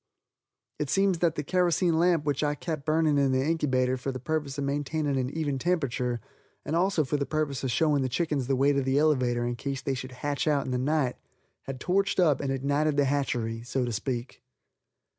It seems that the kerosene lamp which I kept burning in the inkybater for the purpose of maintaining an even temperature, and also for the purpose of showing the chickens the way to the elevator in case they should hatch out in the night, had torched up and ignited the hatchery, so to speak.